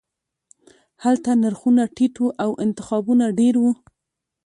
هلته نرخونه ټیټ وو او انتخابونه ډیر وو